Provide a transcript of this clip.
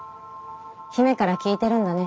姫から聞いてるんだね。